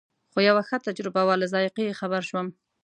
خو یوه ښه تجربه وه له ذایقې یې خبر شوم.